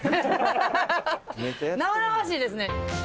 生々しいですね。